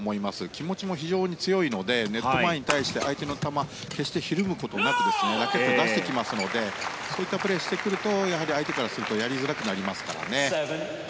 気持ちも非常に強いのでネット前に対して相手の球に決してひるむことなくラケットを出してきますのでそういったプレーをしてくると相手からするとやりづらくなりますからね。